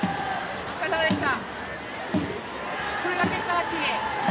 お疲れさまでした！